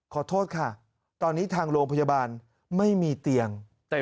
ขอโทษค่ะตอนนี้ทางโรงพยาบาลไม่มีเตียง